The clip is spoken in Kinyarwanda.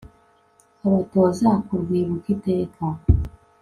abatoza kurwibuka iteka